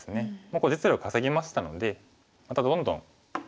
もう実利を稼ぎましたのでまたどんどん。